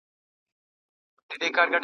له ستړتیا یې خوږېدی په نس کي سږی